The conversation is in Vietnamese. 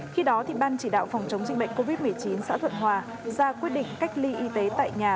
khi đó ban chỉ đạo phòng chống dịch bệnh covid một mươi chín xã thuận hòa ra quyết định cách ly y tế tại nhà